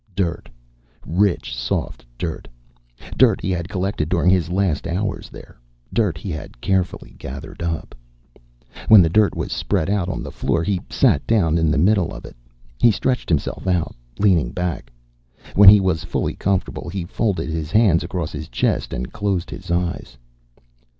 Dirt, rich soft dirt. Dirt he had collected during his last hours there, dirt he had carefully gathered up. When the dirt was spread out on the floor he sat down in the middle of it. He stretched himself out, leaning back. When he was fully comfortable he folded his hands across his chest and closed his eyes.